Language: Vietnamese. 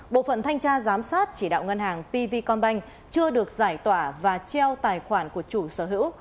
bộ phận thanh tra giám sát chỉ đạo ngân hàng pvcombank chưa được giải tỏa và treo tài khoản của chủ sở hữu